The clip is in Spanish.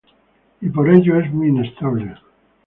Y, por ello es muy inestable.